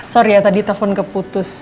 sorry ya tadi telepon keputus